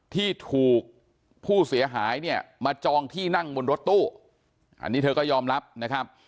ที่ถูกผู้เสียหายเนี่ยมาจองที่นั่งบนรถตู้อันนี้เธอก็ยอมรับนะครับ